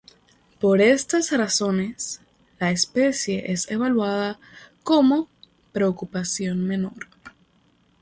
Por estas razones, la especie es evaluada como "preocupación menor".